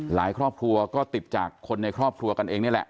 ครอบครัวก็ติดจากคนในครอบครัวกันเองนี่แหละ